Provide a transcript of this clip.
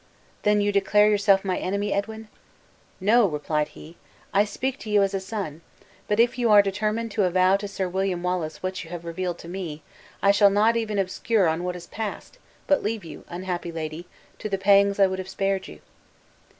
"Then you declare yourself my enemy, Edwin?" "No," replied he; "I speak to you as a son; but if you are determined to avow to Sir William Wallace what you have revealed to me, I shall not even observe on what has passed, but leave you, unhappy lady, to the pangs I would have spared you."